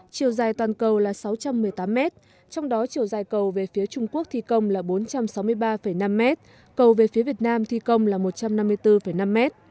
chiều dài toàn cầu là sáu trăm một mươi tám m trong đó chiều dài cầu về phía trung quốc thi công là bốn trăm sáu mươi ba năm m cầu về phía việt nam thi công là một trăm năm mươi bốn năm m